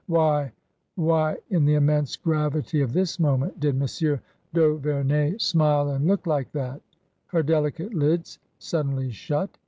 Why — why — in the immense gravity of this moment, did Monsieur d*Auverney smile and look like that? Her delicate lids suddenly shut.